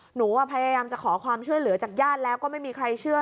หนูพยายามจะขอความช่วยเหลือจากญาติแล้วก็ไม่มีใครเชื่อ